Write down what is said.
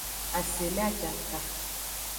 Ase le ajaka.